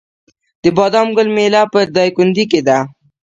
د بادام ګل میله په دایکنډي کې ده.